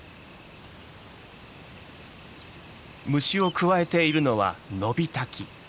虫をくわえているのはノビタキ。